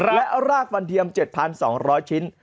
และรากฟันเทียม๗๒๐๐ชิ้น